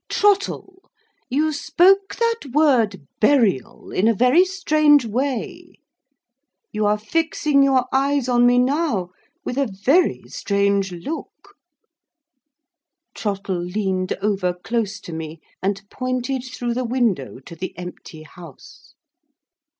"Trottle! you spoke that word 'burial' in a very strange way—you are fixing your eyes on me now with a very strange look—" Trottle leaned over close to me, and pointed through the window to the empty house.